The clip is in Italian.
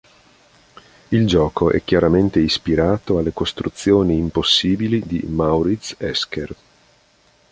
Il gioco è chiaramente ispirato alle costruzioni impossibili di Maurits Escher.